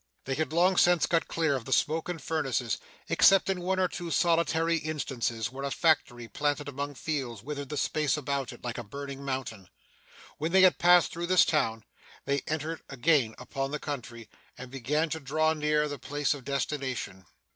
They had long since got clear of the smoke and furnaces, except in one or two solitary instances, where a factory planted among fields withered the space about it, like a burning mountain. When they had passed through this town, they entered again upon the country, and began to draw near their place of destination.